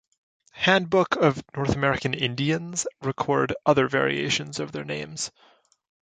"Handbook of North American Indians" record other variations of their names.